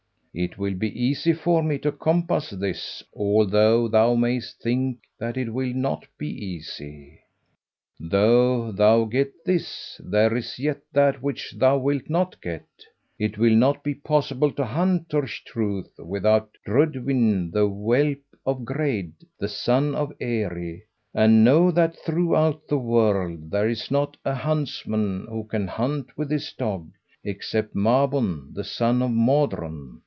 "It will be easy for me to compass this, although thou mayest think that it will not be easy." "Though thou get this, there is yet that which thou wilt not get. It will not be possible to hunt Turch Truith without Drudwyn the whelp of Greid, the son of Eri, and know that throughout the world there is not a huntsman who can hunt with this dog, except Mabon the son of Modron.